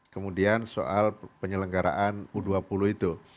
kemudian soal penyelenggaraan u dua puluh itu